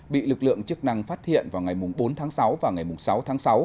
bị lực lượng chức năng phát hiện vào ngày bốn tháng sáu và ngày sáu tháng sáu